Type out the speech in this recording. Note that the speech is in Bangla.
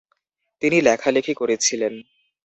তিনি লেখালেখি করেছিলেন।